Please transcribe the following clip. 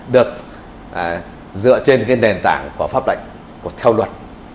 được dựa trên nền tảng của pháp lệnh của theo luật